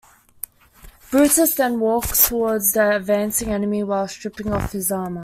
Brutus then walks towards the advancing enemy while stripping off his armour.